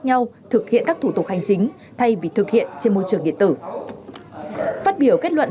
nhau thực hiện các thủ tục hành chính thay vì thực hiện trên môi trường điện tử phát biểu kết luận